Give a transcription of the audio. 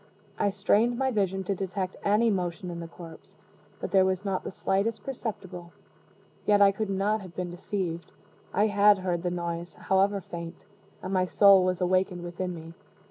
I strained my vision to detect any motion in the corpse but there was not the slightest perceptible. Yet I could not have been deceived. I had heard the noise, however faint, and my soul was awakened within me.